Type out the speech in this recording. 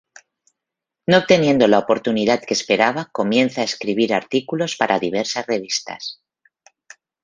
No obteniendo la oportunidad que esperaba, comienza a escribir artículos para diversas revistas.